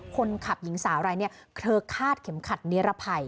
คนขับหญิงสาวอะไรที่ธรพลรภ์ครรภ์ค่าเช็มขัดแนเฦภัย